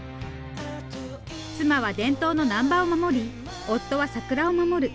妻は伝統のナンバを守り夫は桜を守る。